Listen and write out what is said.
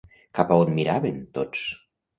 Cap a on miraven tots?